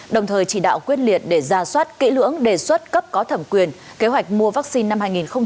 đồng thời chỉ đạo quyết liệt để ra soát kỹ lưỡng đề xuất cấp có thẩm quyền kế hoạch mua vaccine năm hai nghìn hai mươi